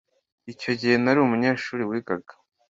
Icyo gihe nari umunyeshuri wigaga.